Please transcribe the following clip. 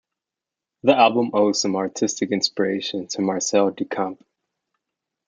The album owes some artistic inspiration to Marcel Duchamp.